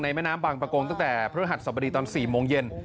แม่น้ำบางประกงตั้งแต่พฤหัสสบดีตอน๔โมงเย็น